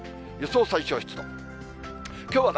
予想最小湿度。